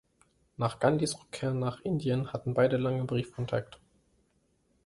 Nach Gandhis Rückkehr nach Indien hatten beide lange Briefkontakt.